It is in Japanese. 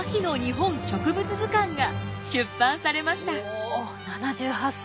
お７８歳。